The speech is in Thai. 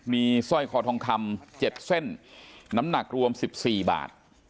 มีสร้อยคอทองคำ๗เส้นน้ำหนักรวม๑๔บาท